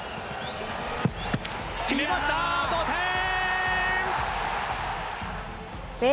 決めました、同点。